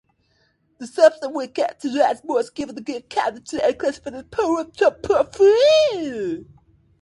The substance was characterized, was given the name "kinetin", and classified as a phytohormone.